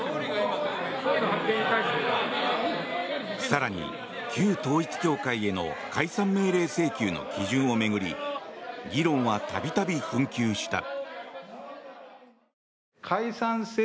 更に、旧統一教会への解散命令請求の基準を巡り議論は度々紛糾した。